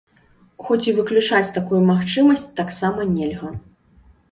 Хоць і выключаць такую магчымасць таксама нельга.